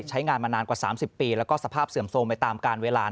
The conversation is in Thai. ใช้งานมานานกว่า๓๐ปีแล้วก็สภาพเสื่อมโทรมไปตามการเวลา